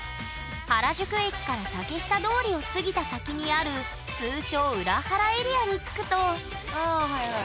原宿駅から竹下通りを過ぎた先にある通称裏原エリアに着くとあはいはい。